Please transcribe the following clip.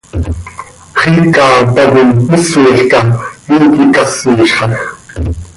¡Xiica tacoi mísolca iiqui cásizxaj!